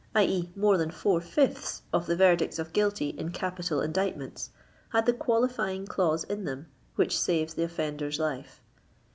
e., more than four fifths of the verdicts of guilty in capital indictments, had the qualifying clause in them which saves the offender's life.